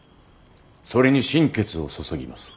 それに心血を注ぎます。